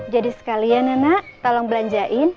jadi sekalian anak tolong belanjain